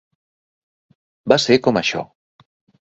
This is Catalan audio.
Va ser com això.